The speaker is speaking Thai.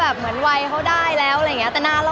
มันเป็นเรื่องน่ารักที่เวลาเจอกันเราต้องแซวอะไรอย่างเงี้ย